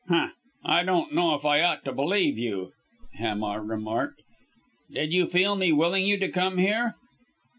"Humph! I don't know if I ought to believe you," Hamar remarked. "Did you feel me willing you to come here?"